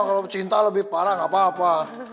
kalau cinta lebih parah nggak apa apa